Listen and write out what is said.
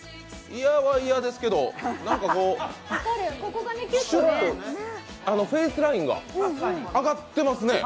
嫌は嫌ですけど何かシュッと、フェイスラインが上がってますね。